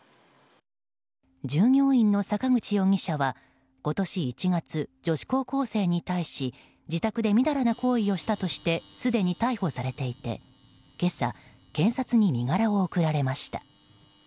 従業員の坂口容疑者は今年１月、女子高校生に対し自宅でみだらな行為をしたとしてすでに逮捕されていて今朝、検察に身柄を送られました。